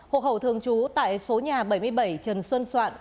hộ khẩu thường trú tại số nhà bảy mươi bảy trần xuân soạn